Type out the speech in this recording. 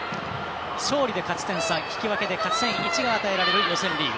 勝利で勝ち点３、引き分けで勝ち点１が与えられる予選リーグ。